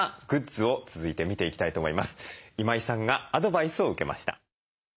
今井さんがアドバイスを受けました。